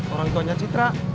orang tuanya citra